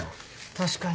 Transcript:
確かに。